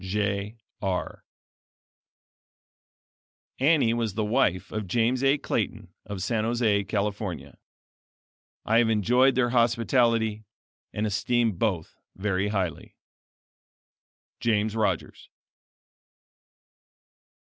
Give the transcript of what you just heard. Jeigh Arrh. Annie was the wife of James A. Clayton of San Jose, California. I have enjoyed their hospitality and esteem both very highly. James Rogers.